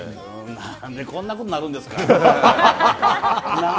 何で、こんなことなるんですか。